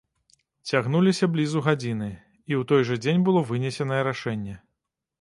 Цягнуліся блізу гадзіны, і ў той жа дзень было вынесенае рашэнне.